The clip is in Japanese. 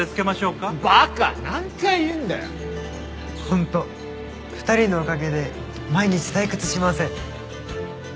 本当２人のおかげで毎日退屈しません。